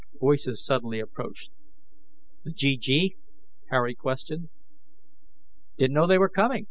Voices suddenly approached. "The GG?" Harry questioned. "Didn't know they were coming."